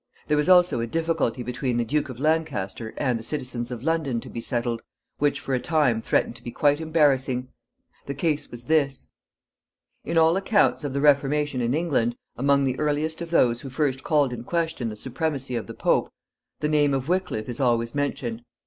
There was also a difficulty between the Duke of Lancaster and the citizens of London to be settled, which for a time threatened to be quite embarrassing. The case was this. In all accounts of the Reformation in England, among the earliest of those who first called in question the supremacy of the Pope, the name of Wickliffe is always mentioned.